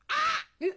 えっ！？